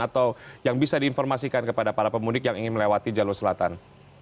atau yang bisa diinformasikan kepada para pemudik yang ingin melewati jalur selatan